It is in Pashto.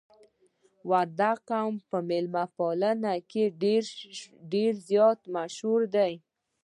وردګ قوم په میلمه پالنه کې ډیر زیات مشهور دي.